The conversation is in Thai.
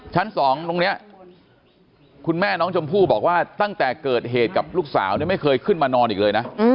ชั้น๒ตรงนี้คุณแม่น้องชมพู่บอกว่าตั้งแต่เกิดเหตุกับลูกสาวเนี่ยไม่เคยขึ้นมานอนอีกเลยนะ